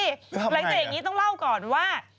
หลังจากอย่างนี้ต้องเล่าก่อนว่า